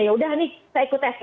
ya udah nih saya ikut tes